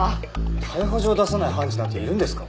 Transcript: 逮捕状を出さない判事なんているんですか？